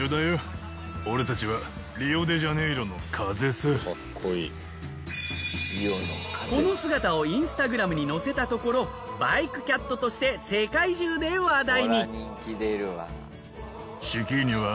しかしこの姿をインスタグラムに載せたところバイクキャットとして世界中で話題に。